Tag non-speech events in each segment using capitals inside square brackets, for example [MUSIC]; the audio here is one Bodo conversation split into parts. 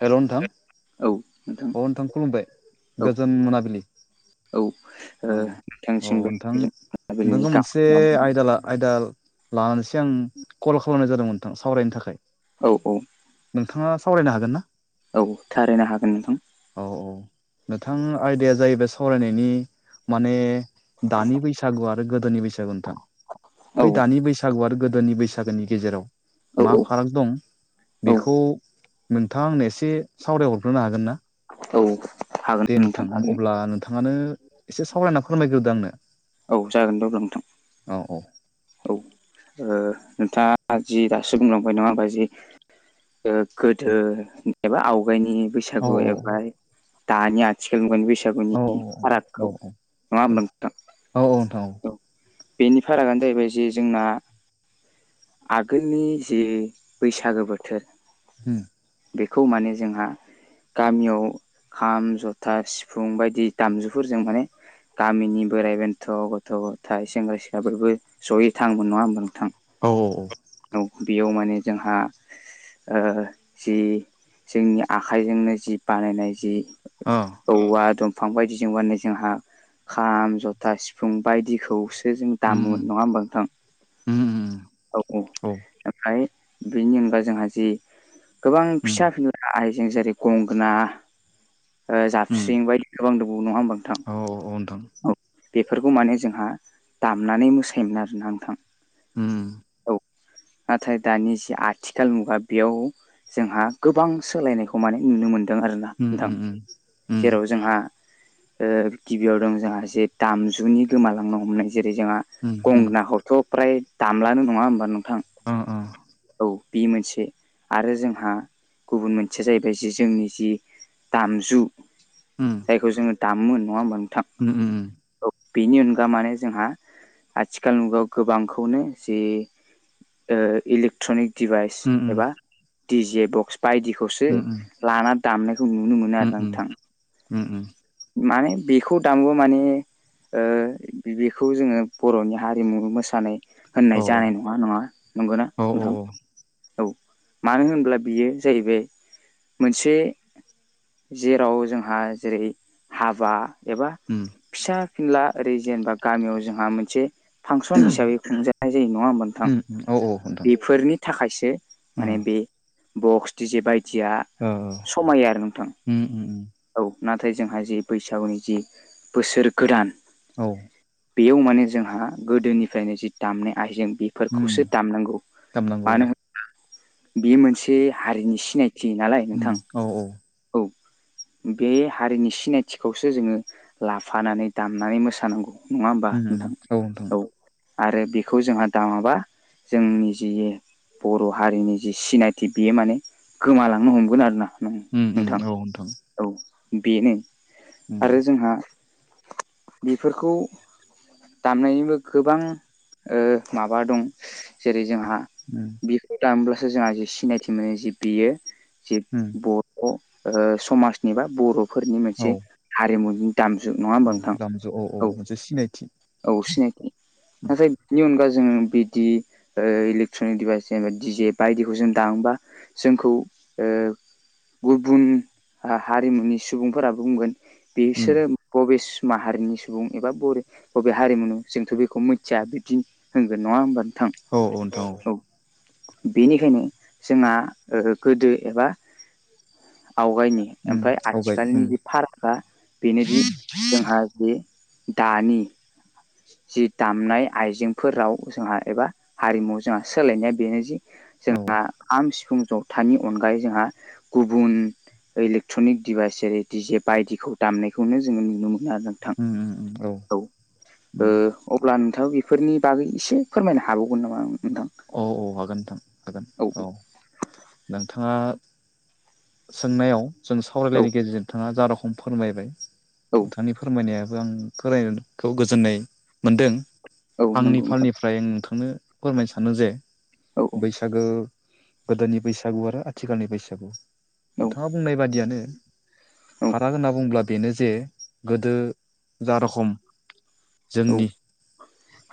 हेल' नोंथां अ नोंथां खुलुमबाय औ गोजोन मोनाबिलि औ ओ औ औ नोंथांसिमबो नोंथां गोजोन मोनाबिलिनि नोंथांखौ मोनसे गाहाम आयदाला आयदा हामलायनाय लानानैसै आं कल खालामनाय जादोंमोन नोंथां सावरायनो थाखाय औ औ नोंथाङा सावरायनो हागोन ना? औ थारायनो हागोन नोंथां औ औ नोंथां आयदाया जाहैबाय सावरायनायनि माने दानि बैसागु आरो गोदोनि बैसागु नोंथां औ बै दानि बैसागु आरो गोदोनि बैसागोनि गेजेराव औ मा औ फाराग दं औ बेखौ नोंथाङा आंनो एसे सावरायहरग्रोनो हागोन ना। औ हागोन दे नोंथां हागोन अब्ला नोंथाङानो एसे सावरायना फोरमायग्रोदों आंनो। औ जागोन दे अब्ला नोंथां। औ औ औ नोंथाङा जि दासो बुंलांबाय नङा होनबा जि ओ गोदो एबा आवगायनि औ बैसागु औ एबा दानि आ थिखाल मुगानि औ बैसागुनि औ फारागखौ नङा होनबा नोंथां औ। बेनि फारागानो जाहैबाय जे जोंना आगोलनि जे बैसागो बोथोर उम बेखौ माने जोंहा गामियाव खाम जथा सिफुं बायदि दामजुफोरजों माने गामिनि बोराइ बेन्थ' गथ' गथाइ सेंग्रा सिख्लाफोरबो जयै थांमोन नङा होनबा नोंथां औ औ औ औ बेयाव माने जोंहा ओ जि जोंनि आखाइजोंनो जि बानायनाय जि अ औवा दं बिफां बायदिजों बानायनाय जोंहा खाम जथा सिफुं बायदिखौसो जों उम दामो। उम नङा होमबा नोंथां? उम उम औ औ ओमफ्राय बेनि अनगा जोंहा जि गोबां उम फिसा फिनला आइजें जेरै गंगोना उम जाबस्रिं बायदि गोबां दंबावो नङा होनबा नोंथां? औ औ औ नोंथां औ बेफोरखौ माने जोंहा दामनानै मोसायोमोन आरोना नोंथां। उम औ नाथाय दानि जि आथिखाल मुगा बेयाव जोंहा गोबां सोलायनायखौ माने नुनो मोनदों आरोना उम उम नोंथां। उम जेराव जोंहा ओ गिबियाव दं जोंहा जे दामजुनि गोमालांनो हमनाय जेरै जोंहा उम उम गंगोनाखौथ' प्राय दामलानो नङा होमबा नोंथां? अ अ औ बे मोनसे आरो जोंहा गुबुन मोनसेया जाहैबाय जे जोंनि जि दामजु जायखौ जोङो दामोमोन नङा होमबा नोंथां? उम उम उम औ बेनि अनगा माने जोंहा आथिखाल मुगायाव गोबांखौनो जि ओ इलेक्ट्रनिक डिभाइस उम एबा डिजे बक्स बायदिखौसो उम लाना दामनायखौ नुनो मोनो उम आरो उम नोंथां। उम उम माने बिखौ दामोबा माने ओ बेखौ जोङो बर'नि हारिमु मोसानाय औ होननाय जानाय नङा नङा नंगौना औ औ औ नोंथां। औ मानो होनब्ला बियो जाहैबाय मोनसे जेराव जोंहा जेरै हाबा एबा उम फिसा फिनला ओरै जेनेबा गामियाव जोंहा मोनसे फांसन हिसाबै खुंजानाय जायो नङा होनबा थां उम औ औ नोंथां बेफोरनि थाखायसो माने बे बक्स डिजे बायदिया ओ समायो आरो नोंथां ओ उम उम औ नाथाय जोंहा जि बैसागुनि जि बोसोर गोदान औ बेयाव माने जोंहा गोदोनिफ्रायनो जि दामनाय आइजें उम बेफोरखौसो दामनांगौ दामनांगौ मानो होनोब्ला बे मोनसे हारिनि सिनायथि नालाय उम नोंथां। औ औ औ बे हारिनि सिनायथिखौसो जोङो लाफानानै दामनानै मोसानांगौ नंआ होमबा उम उम नोंथां नोंथां औ आरो बेखौ जोंहा दा माबा जों निजिये बर' हारिनि जि सिनायथि बेयो माने गोमालांनो हमगोन आरो ना उम उम नोंथां औ नोंथां औ बेनो उम आरो जोंहा ओ बेफोरखौ दामनायनिबो गोबां ओ माबा दं जेरै जोंहा उम बेखौ दामोब्लासो जोंहा जे सिनायथि मोनो जे बेयो जि उम बर' ओ समाजनि बा बर'फोरनि औ मोनसे हारिमुनि दामजु नङा औ होनबा नोंथां? औ औ मोनसे सिनायथि औ सिनायथि नाथाइ बेनि अनगा बिदि ओ इलेक्ट्रनिक डिभाइस जेनेबा डि जे बायदिखौ जों दांमोबा जोंखौ ओ गुबुन हारिमुनि सुबुंफोराबो बुंगोन उम बिसोरो बबे माहारिनि सुबुं एबा बर' अबे हारिमुनि जोंथ' बेखौ मिथिया बिब्दि होनगोन नङा होनबा नोंथां? औ औ नोंथां औ बेनिखायनो जोंहा गोदो एबा आवगायनि उम आमफ्राय आवगाय उम आथिखालनि उम जि फारागा बेनोदि जोंहा जे दानि [UNINTELLIGIBLE] जि दामनाय आइजेंफोराव जोंहा एबा हारिमु जोंहा सोलायनाया बेनो जे औ जोंहा खाम सिफुं जथानि अनगायै जोंहा गुबुन इलेक्ट्रनिक डिभाइस जेरै डिजे बायदिखौ दामनायखौनो जोङो नुनो मोनो आरो नोंथां उम उम उम औ ओ उम अब्ला नोंथां बेफोरनि बागै एसे फोरमायनो हागौमोन नामा नोंथां? औ औ हागोन नोंथां औ नोंथांआ सोंनायाव जों औ सावरायलायनायनि गेजेरजों नोंथांआ जा रखम फोरमायबाय‌ औ नोंथांनि फोरमायनायाबो आं खोना खौ गोजोननाय मोनदों औ आंनि नंगौ नोंथां फालनिफ्राय फ्राय आं नोंथांनो फोरमायनो सानो जे औ बैसागो गोदोनि बैसागो बैसागु आरो आथिखालनि बैसागु औ नोंथांआ बुंनाय बादिआनो औ फाराग होनना बुंब्ला बेनो जे गोदो जा रोखोम जोंनि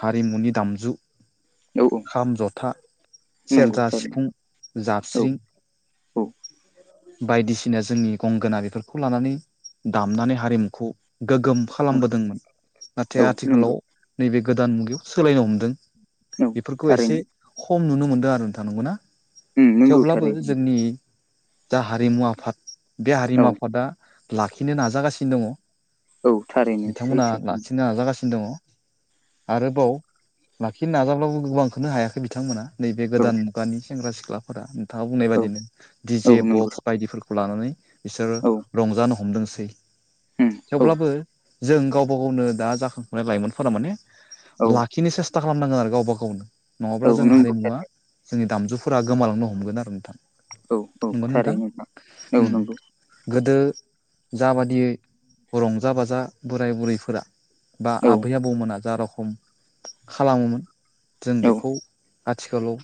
हारिमुनि दामजु औ औ खाम जथा नंगौ सेरजा थारैनो सिफुं औ जाबस्रिं बायदिसिना जोंनि गंगोना बेफोरखौ लानानै दामनानै हारिमुखौ गोगोम खालामबोदोंमोन नाथाय औ नंगौ आथिखालाव नैबे गोदान सोलायनो हमदों औ बेफोरखौ थारैनो एसे खम नुनो मोनदों आरो नोंथां नोंगौ ना उम नंगौ थेवब्लाबो थारैनो जोंनि जा हारिमु आफाद बे हारिमु औ आफादा लाखिनो नाजागासिनो दङो औ थारैनो बिथांमोना सैथो लाखिनो नाजागासिनो दङ आरोबाव लाखिनो नाजाब्लाबो गोबांखौनो हायाखै बिथांमोना नैबे औ गोदान मुगानि सेंग्रा सिख्लाफोरा नोंथांआ बुंनाय औ बादिनो औ डिजेब नंगौ बायदिफोरखौ लानानै बिसोरो औ रंजानो हमदोंसै उम औ थेवब्लाबो जों गावबा गावनो दा जाखां आमफाय लाइमोनफोरा माने औ लाखिनो सेसथा खालामनांगोन आरो गावबा‌ गावनो नङाब्ला औ जों नंगौ हारिमुवा जोंनि दामजुफोरा गोमालांनो हमगोन आरो नोंथां औ औ नंगौ नोंथां थारैनो नोंथां उम औ नोंगौ गोदो जाबादि रंजा बाजा बोराय बुरैफोरा बा औ आबै आबौमोना जा रखम खालामोमोन जों औ बेखौ आथिखालाव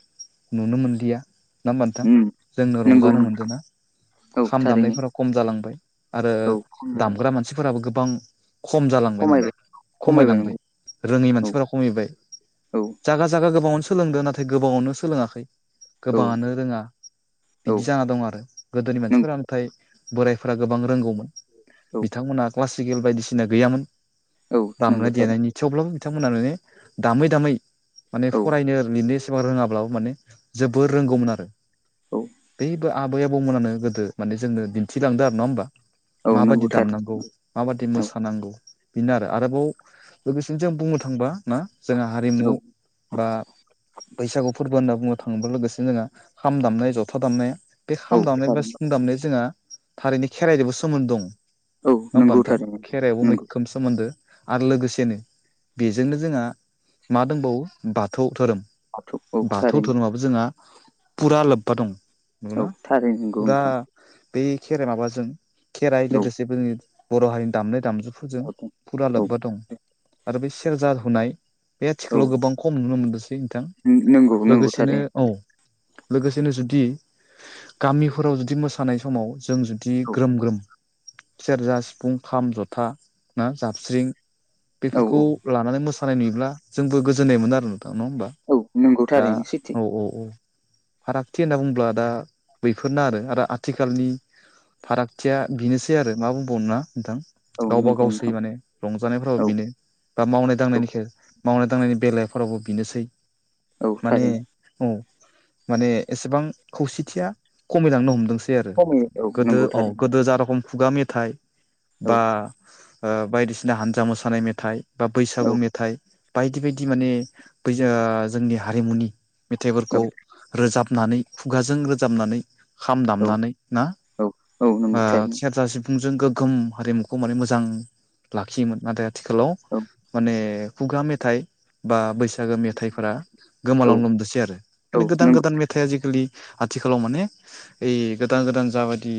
नुनो मोनलिआ नङा होनबा नोंथां उम जोंनो रंज नंगौ जानो नोंथां मोनदोना औ खाम थारैनो दामनायफोराव खम जालांबाय आरो औ खमायबाय दामग्रा मानसिफोराबो गोबां खम जालांबाय माने, खमायबाय खमायबाय खमायलांबाय, नंगौ रोङै औ मानसिफोरा खमायबाय। औ जागा जागा गोबाङानो सोलोंदों नाथाय गोबाङावनो सोलोङाखै, औ गोबाङानो रोङा। औ बिदि जाना दं आरो गोदोनि मानसिफोरा नंगौ नाथाय बोरायफोरा गोबां रोंगौमोन औ बिथांमोना क्लासिकेल बायदिसिना गैयामोन औ नंगौ दामनाय थार देनायनि थेवब्लाबो बिथांमोना माने दामै दामै माने औ फरायनो लिरनो [UNINTELLIGIBLE] रोङाब्लाबो माने जोबोर रोंगौमोन आरो। औ। बैबो आबै आबौमोनानो गोदो माने जोंनो दिन्थिलांदों आरो नङा होमबा औ माबायदि नंगौ थार दामनांगौ माबादि औ मोसानांगौ बेनो आरो आरोबाव लोगोसेनो जों बुंनो थांबा ना जोंहा हारिमु औ बा, बैसागु फोरबो होनना बुंनो थाङोब्ला, लोगोसेनो जोंहा खाम दामनाय, जथ- [INAUDIBLE] जथा दामनाया बे औ खाम दामनाय बा‌ थारैनो सिफुं दामनाया जोंहा थारैनो खेराइजोंबो सोमोन्दो दं औ नङा होमबा नंगौ नोंथां थारैनो खेराइबो मैखोम सोमोन्दो आरो लोगोसेनो बेजोंनो जोंहा मा दंबावो बाथौ धोरोम नंगौ औ बाथौ थारैनो धोरोमाबो जोंहा फुरा लोब्बा दं नोंगौना औ थारैनो नंगौ फुरा नोंथां बै खेराइ माबाजों खेराइ औ लोगोसेबोनि बर' हारिनि दामनाय दामजुफोरजों फुरा लोब्बा दं आरो बे सेरजा हुनाय बे औ आथिखालाव गोबां खम नुनो मोनदोंसै नोंथां नंगौ नंगौ लोगोसेनो थारैनो औ। लोगोसेनो जुदि गामिफोराव जुदि मोसानाय समाव जों जुदि औ ग्रोम ग्रोम सेरजा सिफुं खाम जथा ना जाबस्रिं औ बेफोरखौ औ लानानै मोसानाय नुयोब्ला जोंबो गोजोननाय मोनो आरो नोंथां नङा होमबा? औ नंगौ दा थारैनो सैथो औ औ औ फारागथि होनना बुंब्ला दा बैफोरनो आरो आथिखालनि फारागथिया बेनोसै आरो मा बुंबावनो ना नोंथां औ गावबा नंगौ गावसै नोंथां माने रंजानायफोरावबो औ बेनो बा मावनाय दांनायनि खे मावनाय दांनायनि बेलाफोरावबो बिनोसै औ औ माने थारैनो औ माने एसेबां खौसेथिया खमायलांनो हमदोंसै। [UNINTELLIGIBLE] आरो खमायो औ गोदो नंगौ अ थारैनो गोदो जा रखम खुगा मेथाइ औ बा ओ बायदिसिना हान्जा मोसानाय मेथाइ बा औ बैसागु मेथाइ बायदि बायदि माने बै जा जोंनि हारिमुनि औ मेथाइफोरखौ रोजाबनानै खुगाजों रोजाबनानै खाम औ दामनानै ना औ औ ओ नंगौ थारैनो सेरजा सिफुं सिफुंजों गोगोम हारिमुखौ माने मोजां लाखियोमोन नाथाय आथिखालाव औ माने खुगा मेथाइ बा बैसागो मेथाइफोरा औ गोमालांनो हमदोंसै आरो औ माने गोदान नंगौ गोदान मेथाइ [UNINTELLIGIBLE] खालि आथिखालाव माने ओइ गोदान गोदान जाबादि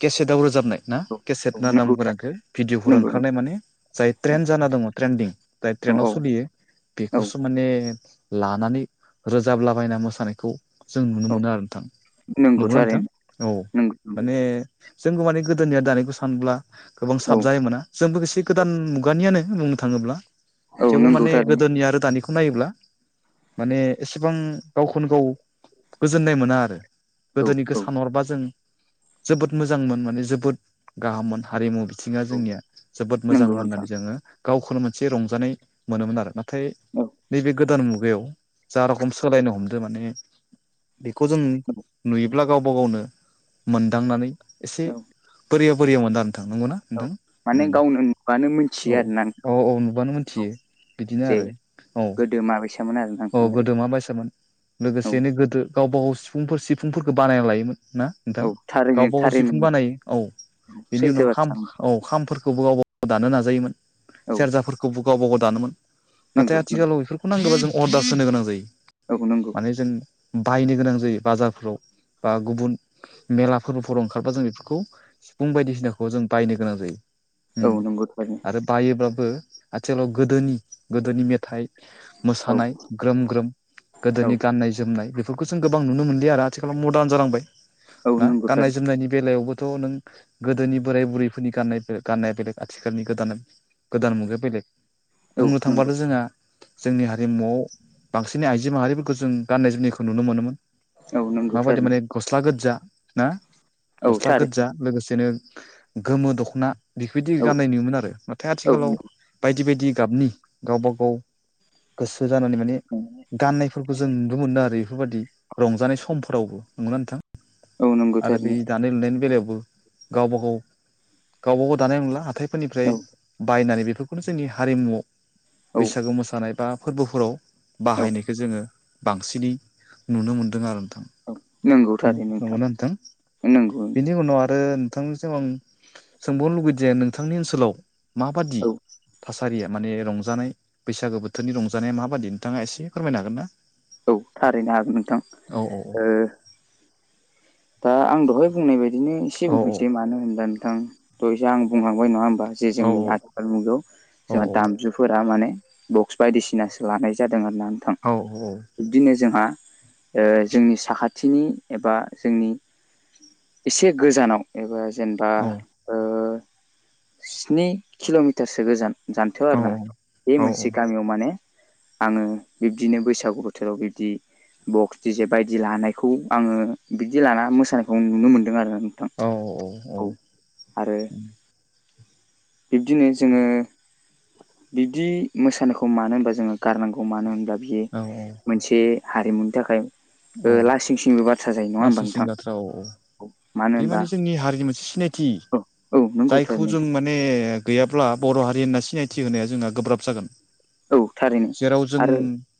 केसेटआव रोजाबनाय ना औ केसेट औ ना नाम नंगौ गोनांखौ थारैनो भिडिअफोर नंगौ नंगौ औ ओंखारनाय माने जाय ट्रेन जाना दङ ट्रेेनदिं जाय ट्रेनाव औ सोलियो बेखौसो औ माने लानानै रोजाबलाबायना मोसानायखौ जों औ नुनो मोनो आरो नोंथां नंगौ नंगौना नोंथां थारैनो औ नंगौ नंगौ माने जोंबो माने गोदोनि आरो दानिखौ सानब्ला गोबां औ साबजानायमोना। जोंबोसे गोदान मुगानियानो बुंनो थाङोब्ला औ थेवबो नंगौ माने थारैनो गोदोनि आरो दानिखौ खोनोब्ला माने एसेबां गावखौनो गाव गोजोननाय मोना आरो औ गोदोनिखौ औ सानहरबा जों जोबोद मोजांमोन माने जोबोद गाहाममोन हारिमु बि थिङा जोंनिया जोबोद मोजां नंगौ मोन नोंथां होननानै जोङो गावखौनो मोनसे रंजानाय मोनोमोन आरो ना। थाय औ नैबे गोदान मुगायाव जा रोखम सोलायनो हमदों माने बेखौ जों नुयोब्ला गावबा गावनो मोनदांनानै एसे औ बोरिया बोरिया मोनदो आरो नोंथां नंगौना? औ नोंथां माने उम्म गावनो नुबानो औ मिथियो आरो ना नोंथां औ औ नुब्लानो औ मोनथियो। बिदिनो जे आरो औ गोदो माबैसामोन आरो ना औ नोंथां ओरै गोदो मा बायसामोन औ लोगोसेनो गोदो गावबा गाव सिफुंफोर सिफुंफोरखौ बानायना लायोमोन ना औ नोंथां थारैनो गावबा गाव थारैनो सिफुं नंगौ। बानायो औ औ बेनि सैथो उनाव खाम बाथ्रा नंगौ। औ खामफोर बो गावब गाव दानो नाजायोमोन औ सेरजाफोरखौबो गावबा गाव दानोमोन ना नंगौ नंगौ। आथिखालाव बेफोरखौ नांगौबा जों अर्दार होनो गोनां जायो। औ नंगौ। माने जों बायनो गोनां जायो बाजारफोराव बा गुबुन मेला फोरबोफोराव ओंखारबा जों बेफोरखौ सिफुं बायदिसिनाखौ जों बायनो गोनां जायो। औ उम्म नंगौ थारैनो आरो बायोब्लाबो आथिखालाव गोदोनि गोदोनि मेथाइ औ मोसानाय ग्रोम ग्रोम औ गोदोनि गाननाय जोमनाय बेफोरखौ जों गोबां नुनो मोनलिया आरो। थिखालाव मरदार जालांबाय औ ना नंगौ थारैनो गाननाय जोमनायनि बेलायावबोथ' नों गोदोनि बोराय बुरैफोरनि गाननाय गाननाया बेलेग आथिखालनि गोदान गोदान मुगाया बेलेक औ बुंनो नंगौ थांबानो जोंहा जोंनि हारिमुआव बांसिनै आइजो माहारिफोरखौ जों गाननाय जोमनायखौ नुनो मोनोमोन औ नंगौ माबायदि थारैनो माने गस्ला गोजा ना। औ गस्ला गोदजा थारैनो लोगोसेनो गोमो दख्ना बेफोरबायदि औ गान्नाय नुयोमोन आरो नाथाय औ आथिखालाव बायदि बायदि गाबनि गावबा गाव गोसो जानानै माने गाननायफोरखौ जों नु गुबुनदारि इफोरबायदि रंजानाय समफोरावबो नङा नोंथां औ नंगौ आरो बि थारैनो दा लेनदेन बेलायाव बेलायावबो गावबा गाव गावबा गाव दानाय नंला हाथाइ फोरनिफ्राय औ बायनानै बेफोरखौनो जोंनि हारिमुआव औ बैसागो मोसानाय बा फोर्बोफोराव औ बाहायनायखो जोङो बांसिनै नुनो मोनदों आरो नोंथां औ नंगौ न' थारैनो नोंथां नंगोना नोथां नंगौ नंगौ बेनि उनाव आरो थांनिसिम आं सोंबावनो लुगैदे नोंथांनि ओनसोलाव माबादि औ थासारिया माने रंजानाय बैसागो बोथोरनि रंजानाया माबादि नोंथाङा एसे फोरमायनो हागोन ना औ थारैनो हागोन नोंथां औ औ ओ दा आं दहाय बुंनाय बायदिनो एसे औ बुंफिनोसै मानो होना नोंथां दहायसो आं बुंहांबाय नङा होमबा जे औ जोंनि आथिखाल मुगायाव औ जोंहा दामजुफोरा माने बक्स बायदिसिनासो लानाय जादों आरोना नोंथां औ बिब्दिनो जोंहा ओ जोंनि साखाथिनि एबा जोंनि एसे गोजानाव एबा जेनबा ओ स्नि किल'मिटारसो गोजान जानथायाव आरो ना बे मोनसे गामियाव माने आङो बिब्दिनो बैसागु बोथोराव बिब्दि बक्स दि जे बायदि लानायखौ आङो बिदि लाना मोसानायखौ नुनो मोनदों आरो नों औ औ बिब्दिनो जोङो बिब्दि मोसानायखौ मानो होनबा जोङो गारनांगौ मानो होनब्ला बियो औ मोनसे हारिमुनि थाखाय औ ओ लासिं सिंबो बाथ्रा जायो नङा मानसि होमबा नोंथां सिंगाथ्रा औ औ मानो बे होनबा माने जोंनि हारिनि मोनसे सिनायथि औ औ नंगौ जायखौ थारैनो जों जों माने गैयाब्ला बर' हारि होनना सिनायथि होनाया जोंहा गोब्राब जागोन नोंथां औ थारैनो जेराव जों आरो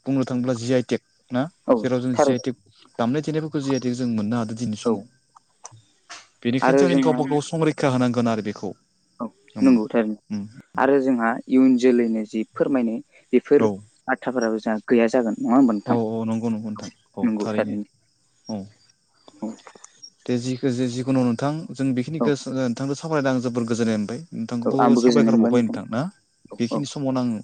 बुंनो थाङोब्ला जि आइ टेक ना औ जेराव जों जि थारैनो आइ टेक दामनाय देनायफोरखौ जि आइ टेक जों मोननो हादों। दिनैनि औ समाव आरो बेनिखायनोसो जोंहा गावबा गाव संरैखा होनांगोन आरो बेखौ औ उम नंगौ थारैनो उम आरो जोंहा इयुन जोलैनो जि फोरमायनो बेफोर औ बाथ्राफोराबो जोंहा गैया जागोन नङा होमबा नोंथां औ नंगौ नंगौ नोंथां औ नंगौ थारैनो औ थारैनो औ दे जिखो जे जिखुनु नोंथां जों औ बेखिनिखो नोंथांजों सावरायना आं जोबोर गोजोननाय मोनबाय औ नोंथांखोबो आंबो गोजोननाय साबायखार मोनबाय बावबाय नोंथां ना औ औ बेखिनि समावनो आङो